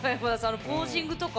あのポージングとか。